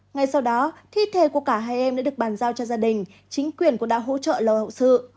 ngay sau đó thi thể của cả hai em đã được bàn giao cho gia đình chính quyền cũng đã hỗ trợ lầu hậu sự